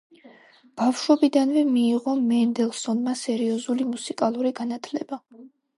ბავშვობიდანვე მიიღო მენდელსონმა სერიოზული მუსიკალური განათლება.